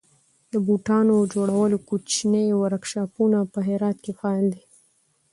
د بوټانو جوړولو کوچني ورکشاپونه په هرات کې فعال دي.